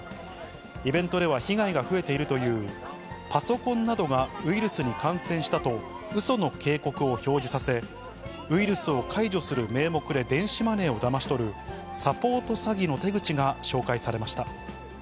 イベントでは被害が増えているというパソコンなどがウイルスに感染したと、うその警告を表示させ、ウイルスを解除する名目で電子マネーをだまし取る、サポート詐欺の手口が紹介されました。